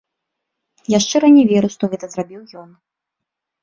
Я шчыра не веру, што гэта зрабіў ён.